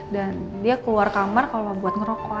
dan dia keluar kamar kalau buat ngerokok saja